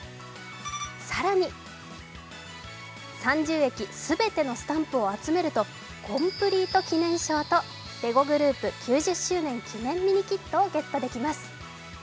更に、３０駅全てのスタンプを集めるとコンプリート記念証とレゴグループ９０周年記念ミニキットをゲットできます。